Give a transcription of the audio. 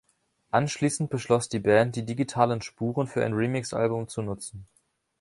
Anschließend beschloss die Band, die digitalen Spuren für ein Remix-Album zu nutzen.